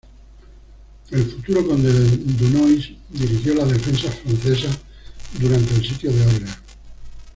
El futuro conde de Dunois, dirigió las defensas francesas durante el sitio de Orleans.